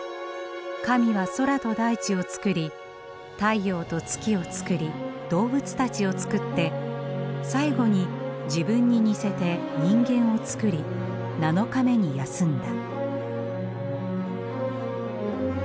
神は空と大地を作り太陽と月を作り動物たちを作って最後に自分に似せて人間を作り７日目に休んだ。